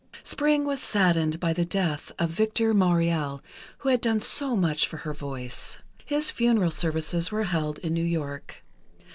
Spring was saddened by the death of Victor Maurel, who had done so much for her voice. His funeral services were held in New York.